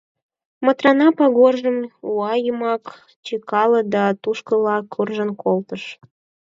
Матрана пагоржым уа йымак чыкале да тушкыла куржын колтыш.